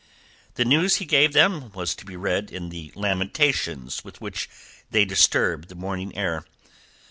The news he gave them was to be read in the lamentations with which they disturbed the morning air.